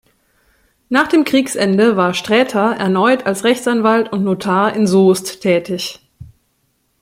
Nach dem Kriegsende war Sträter erneut als Rechtsanwalt und Notar in Soest tätig.